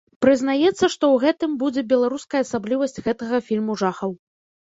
Прызнаецца, што ў гэтым будзе беларуская асаблівасць гэтага фільму жахаў.